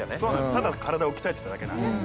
ただ体を鍛えてただけなんです。